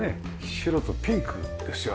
白とピンクですよね。